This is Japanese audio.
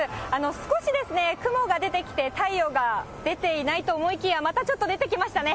少し雲が出てきて、太陽が出ていないと思いきや、またちょっと出てきましたね。